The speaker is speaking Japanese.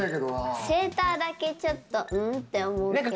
セーターだけちょっと「ん？」って思うけど。